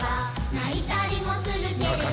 「ないたりもするけれど」